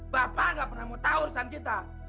bapak gak pernah mau tahu urusan kita